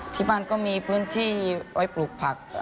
ที่บ้านก็มีพื้นที่ไว้ปลูกผัก